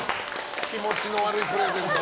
気持ちの悪いプレゼント。